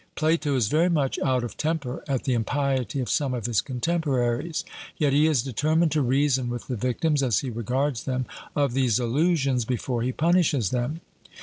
Plato is very much out of temper at the impiety of some of his contemporaries; yet he is determined to reason with the victims, as he regards them, of these illusions before he punishes them.